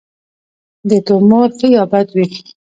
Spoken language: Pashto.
د تومور ښه یا بد وي.